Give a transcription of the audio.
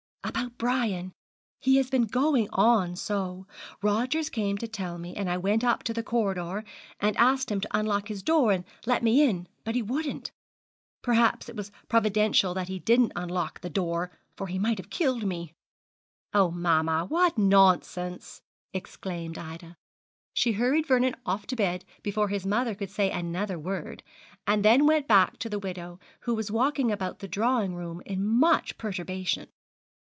'About Brian. He has been going on so. Rogers came to tell me, and I went up to the corridor, and asked him to unlock his door and let me in, but he wouldn't. Perhaps it was providential that he didn't unlock the door, for he might have killed me.' 'Oh, mamma, what nonsense!' exclaimed Ida. She hurried Vernon off to bed before his mother could say another word, and then went back to the widow, who was walking about the drawing room in much perturbation.